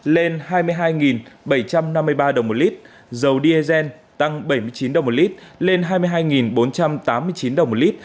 lên hai mươi hai bảy trăm năm mươi ba đồng một lít dầu diesel tăng bảy mươi chín đồng một lít lên hai mươi hai bốn trăm tám mươi chín đồng một lít